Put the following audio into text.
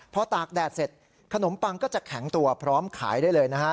พอตากแดดเสร็จขนมปังก็จะแข็งตัวพร้อมขายได้เลยนะฮะ